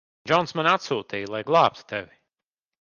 Džons mani atsūtīja, lai glābtu tevi.